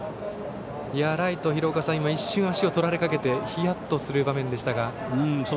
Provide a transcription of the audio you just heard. ライト、一瞬足をとられかけてヒヤッとする場面でしたが。